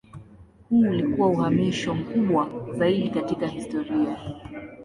Huu ulikuwa uhamisho mkubwa zaidi katika historia.